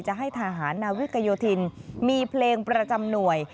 จะให้ทหารนาวิกโยธินมีเพลงประจำหน่วย